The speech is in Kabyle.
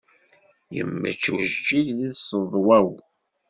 Yemmečč ujeǧǧig di tseḍwa-w.